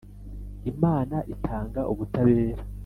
Imana itanga ubutabera